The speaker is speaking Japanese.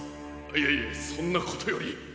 いやいやそんなことより。